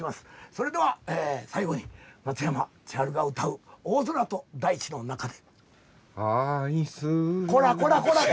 それでは最後に松山千春が歌う「大空と大地の中で」。